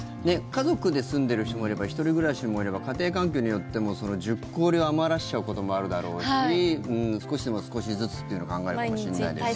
家族で住んでる人もいれば１人暮らしもいれば家庭環境によっても１０個入りを余らせちゃうこともあるだろうし少しずつっていうのを考えるかもしれないですけど。